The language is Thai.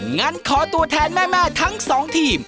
งั้นขอตัวแทนแม่ทั้งสองทีม